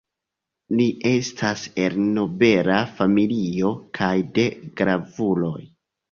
Li estas el nobela familio kaj de gravuloj.